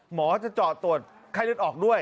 หมอจะเจาะตรวจไข้เลือดออกด้วย